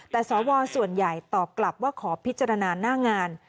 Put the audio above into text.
แต่สวส่วนใหญ่ตอบกลับว่าขอพิจารณาหน้างาน